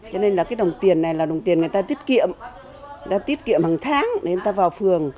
cho nên là cái đồng tiền này là đồng tiền người ta tiết kiệm người ta tiết kiệm hàng tháng để người ta vào phường